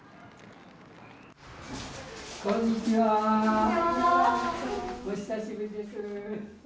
こんにちは、お久しぶりです。